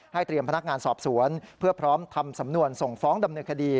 เตรียมพนักงานสอบสวนเพื่อพร้อมทำสำนวนส่งฟ้องดำเนินคดี